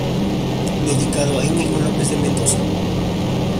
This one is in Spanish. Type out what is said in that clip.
Dedicado a Íñigo López de Mendoza.